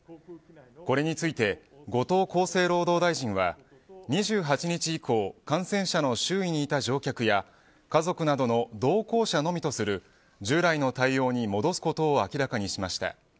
これについて後藤厚生労働大臣は２８日以降感染者の周囲にいた乗客や家族などの同行者のみとする従来の対応に戻すことを明らかにしました。